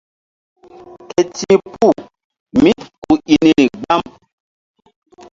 Ké ti̧h puh mí ku i niri gbam.